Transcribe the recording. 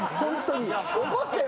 怒ってよ。